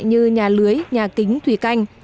như nhà lưới nhà kính thủy canh